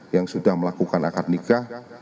yang sudah melakukan akad nikah